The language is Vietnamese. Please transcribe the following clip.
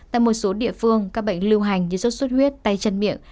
tại một số địa phương các bệnh lưu hành như sốt xuất huyết tay chân miệng